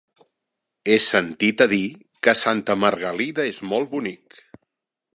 He sentit a dir que Santa Margalida és molt bonic.